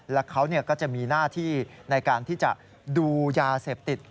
แล้วเขาก็จะมีหน้าที่ในการที่จะดูยาเสพติด